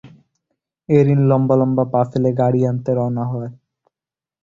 Haerin লম্বা লম্বা পা ফেলে গাড়ি আনতে রওনা হল।